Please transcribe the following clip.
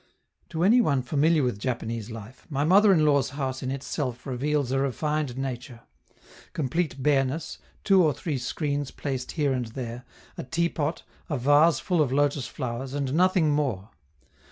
To any one familiar with Japanese life, my mother in law's house in itself reveals a refined nature complete bareness, two or three screens placed here and there, a teapot, a vase full of lotus flowers, and nothing more.